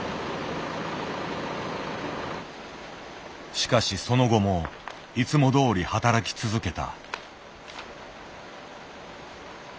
しかしその後もいつもどおり働き続けた。